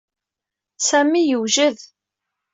Sami yewjed.